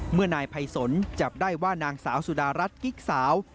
นายภัยสนจับได้ว่านางสาวสุดารัฐกิ๊กสาว